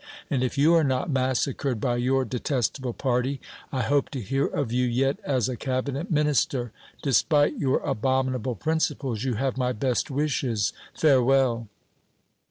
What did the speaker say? And if you are not massacred by your detestable party, I hope to hear of you yet as a Cabinet Minister. Despite your abominable principles, you have my best wishes! Farewell!"